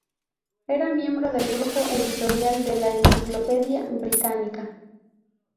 Era miembro del grupo editorial de la Encyclopædia Britannica.